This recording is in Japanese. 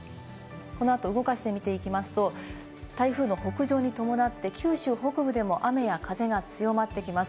このあと動かして見ていきますと、台風の北上に伴って九州北部でも雨や風が強まってきます。